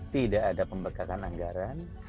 tidak ada pembekakan anggaran